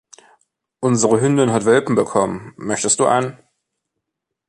Unsere Hündin hat Welpen bekommen, möchtest du einen?